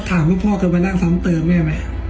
ก็ถามพ่อเกิดมานั่งซ้ำเติมเนี่ยแม่